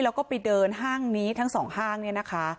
แล้วก็ไปเดินห้างนี้ทั้งสองห้างเนี่ยนะคะ